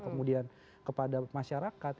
kemudian kepada masyarakat